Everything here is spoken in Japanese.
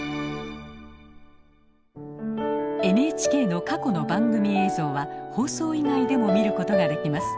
ＮＨＫの過去の番組映像は放送以外でも見ることができます